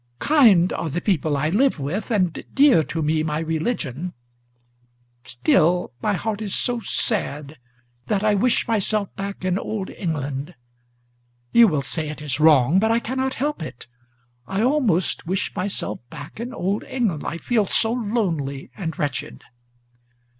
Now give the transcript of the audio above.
Kind are the people I live with, and dear to me my religion; Still my heart is so sad, that I wish myself back in Old England. You will say it is wrong, but I cannot help it: I almost Wish myself back in Old England, I feel so lonely and wretched."